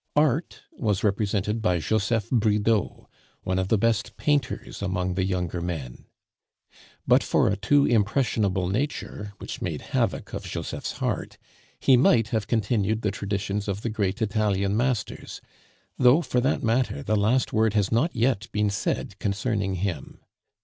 Art was represented by Joseph Bridau, one of the best painters among the younger men. But for a too impressionable nature, which made havoc of Joseph's heart, he might have continued the traditions of the great Italian masters, though, for that matter, the last word has not yet been said concerning him.